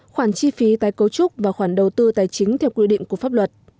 khoản chi phí tái cấu trúc và khoản đầu tư tài chính theo quy định của pháp luật